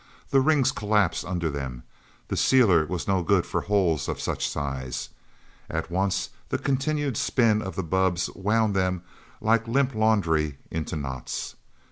Their rings collapsed under them the sealer was no good for holes of such size. At once, the continued spin of the bubbs wound them, like limp laundry, into knots.